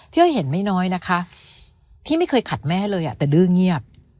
อ้อยเห็นไม่น้อยนะคะพี่ไม่เคยขัดแม่เลยแต่ดื้อเงียบ